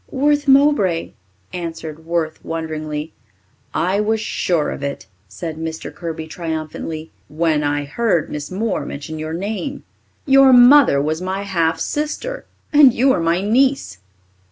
"Worth Mowbray," answered Worth wonderingly. "I was sure of it," said Mr. Kirby triumphantly, "when I heard Miss Moore mention your name. Your mother was my half sister, and you are my niece."